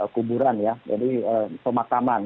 kuburan ya jadi pemakaman